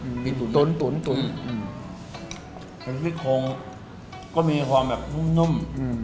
อืมอืมตุ๋นตุ๋นตุ๋นอืมอืมก็มีความแบบนุ่มนุ่มอืม